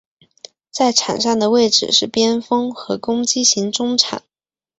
在场上的位置是边锋和攻击型中场。